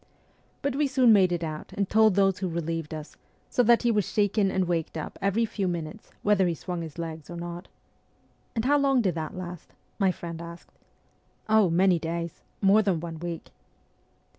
But we soon made it out and told those who relieved us, so that he was shaken and waked up every few minutes, whether he swung his legs or not.' 'And how long did that last ?' my friend asked. ' Oh, many days more than one week.'